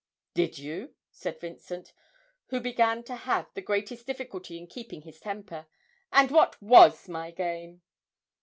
'Did you?' said Vincent, who began to have the greatest difficulty in keeping his temper. 'And what was my game?'